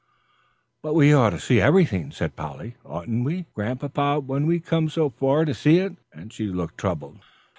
"But we ought to see everything," said Polly, "oughtn't we, Grandpapa, when we've come so far to see it?" and she looked troubled.